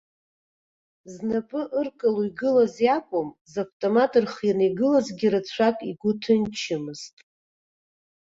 Знапы ыркало игылаз иакәым, завтомат рхианы игылазгьы рацәак игәы ҭынчмызт.